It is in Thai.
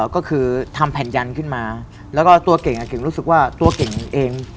ก็คือทำแผ่นยันขึ้นมาแล้วก็ตัวเก่งเก่งรู้สึกว่าตัวเก่งเอง